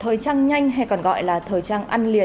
thời trang nhanh hay còn gọi là thời trang ăn liền